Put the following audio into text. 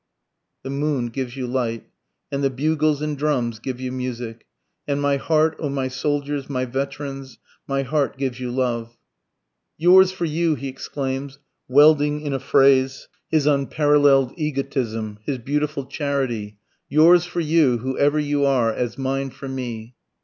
The moon gives you light, And the bugles and drums give you music, And my heart, O my soldiers, my veterans, My heart gives you love. "Yours for you," he exclaims, welding in a phrase his unparalleled egotism, his beautiful charity, "yours for you, who ever you are, as mine for me."